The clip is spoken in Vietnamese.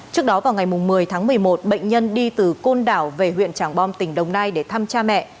trước đó vào ngày một mươi tháng một mươi một bệnh nhân đi từ côn đảo về huyện tràng bom tỉnh đồng nai để thăm cha mẹ